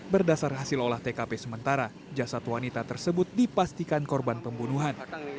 berdasar hasil olah tkp sementara jasad wanita tersebut dipastikan korban pembunuhan